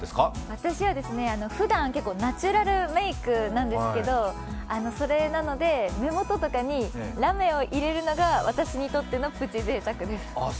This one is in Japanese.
私はふだん結構、ナチュラルメイクなんですけど、目元とかにラメを入れるのが私にとってのプチぜいたくです。